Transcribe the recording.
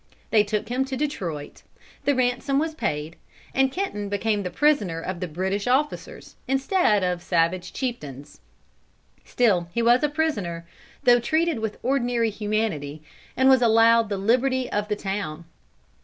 They took him to Detroit; the ransom was paid, and Kenton became the prisoner of the British officers, instead of the savage chieftains. Still he was a prisoner, though treated with ordinary humanity, and was allowed the liberty of the town.